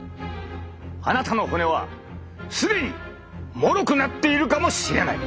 あなたの骨は既にもろくなっているかもしれない！